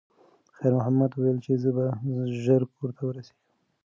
خیر محمد وویل چې زه به ژر کور ته ورسیږم.